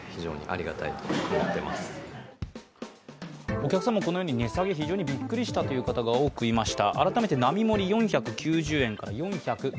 お客さんもこのように値下げびっくりしたという方非常に多くいました。